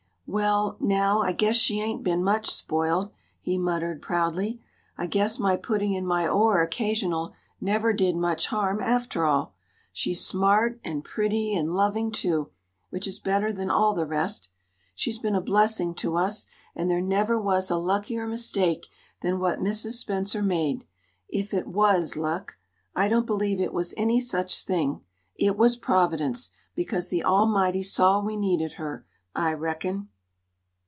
"Well now, I guess she ain't been much spoiled," he muttered, proudly. "I guess my putting in my oar occasional never did much harm after all. She's smart and pretty, and loving, too, which is better than all the rest. She's been a blessing to us, and there never was a luckier mistake than what Mrs. Spencer made if it was luck. I don't believe it was any such thing. It was Providence, because the Almighty saw we needed her, I reckon."